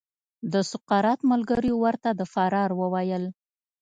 د سقراط ملګریو ورته د فرار وویل.